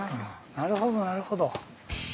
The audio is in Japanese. なるほどなるほど。